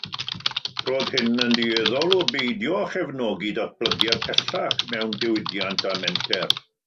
Roedd hyn yn dueddol o beidio â chefnogi datblygiad pellach mewn diwydiant a menter.